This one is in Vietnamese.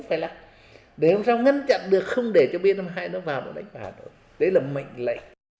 đấy là mệnh lệ